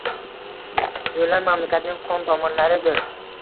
Yo‘llar mamlakatning qon tomirlaridir